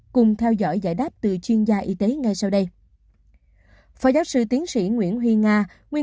cùng theo dõi giải đáp từ chuyên gia y tế ngay sau đây phó giáo sư tiến sĩ nguyễn huy nga nguyên